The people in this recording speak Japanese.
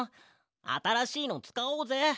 あたらしいのつかおうぜ。